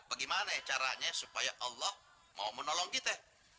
bagaimana caranya supaya allah mau menolong kita